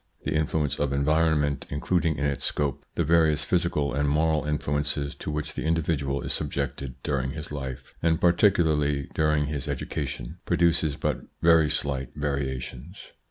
The influence of en vironment, including in its scope the various physical and moral influences to which the individual is sub jected during his life, and particularly during his r education, produces but very slight variations.